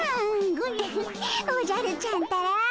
ウフッおじゃるちゃんったら。